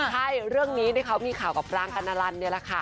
ใช่เรื่องนี้ที่เขามีข่าวกับปรางกัณลันเนี่ยแหละค่ะ